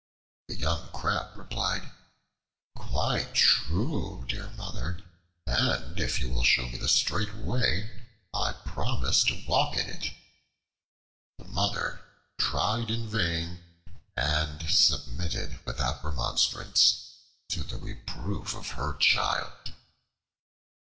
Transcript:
The young Crab replied: "Quite true, dear Mother; and if you will show me the straight way, I will promise to walk in it." The Mother tried in vain, and submitted without remonstrance to the reproof of her child.